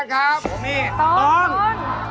ต้องทำเป็นสามกษัตริย์นะ